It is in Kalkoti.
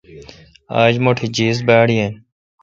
آج مٹھ جیس باڑ یین۔